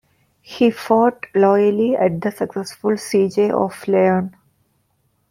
He fought loyally at the successful siege of Laon.